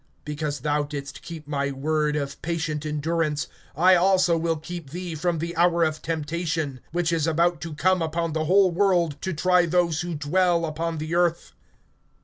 (10)Because thou didst keep my word of patient endurance, I also will keep thee from the hour of temptation, which is about to come upon the whole world, to try those who dwell upon the earth.